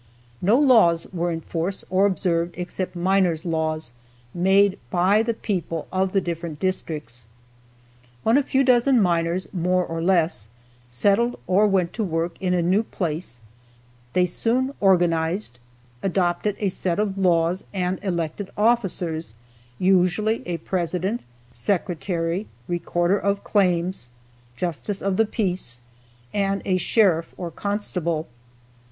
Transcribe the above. No laws were in force or observed except miners' laws made by the people of the different districts. When a few dozen miners, more or less, settled or went to work in a new place they soon organized, adopted a set of laws and elected officers, usually a president, secretary, recorder of claims, justice of the peace and a sheriff or constable.